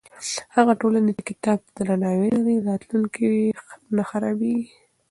هغه ټولنه چې کتاب ته درناوی لري، راتلونکی یې نه خرابېږي.